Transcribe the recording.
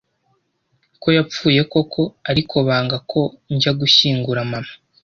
ko yapfuye koko ariko banga ko njya gushyingura mama,